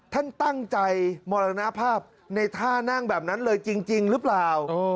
ท่านตั้งใจมรณภาพในท่านั่งแบบนั้นเลยจริงหรือเปล่า